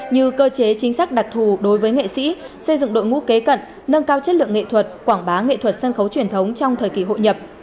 như cơ chế chính sách đặc thù đối với nghệ sĩ xây dựng đội ngũ kế cận nâng cao chất lượng nghệ thuật quảng bá nghệ thuật sân khấu truyền thống trong thời kỳ hội nhập